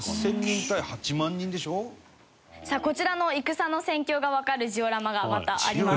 さあこちらの戦の戦況がわかるジオラマがまたあります。